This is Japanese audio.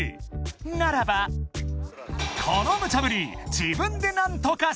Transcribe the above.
ならばこのムチャぶり自分で何とかする］